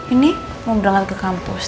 ini mau berangkat ke kampus